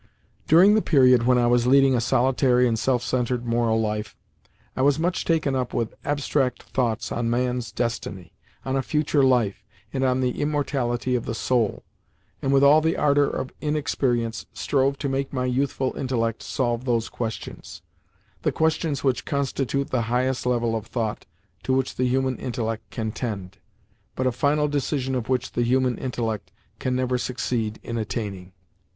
During the period when I was leading a solitary and self centred moral life, I was much taken up with abstract thoughts on man's destiny, on a future life, and on the immortality of the soul, and, with all the ardour of inexperience, strove to make my youthful intellect solve those questions—the questions which constitute the highest level of thought to which the human intellect can tend, but a final decision of which the human intellect can never succeed in attaining.